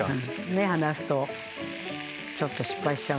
目離すとちょっと失敗しちゃうね。